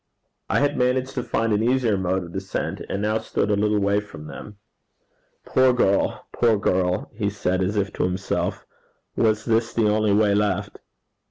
I had managed to find an easier mode of descent, and now stood a little way from them. 'Poor girl! poor girl!' he said, as if to himself: 'was this the only way left?'